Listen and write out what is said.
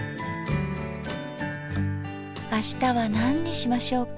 あしたは何にしましょうか。